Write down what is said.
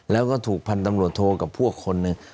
แล้วก็ถูกพันธุ์ตำรวจโทกับพวกคนหนึ่ง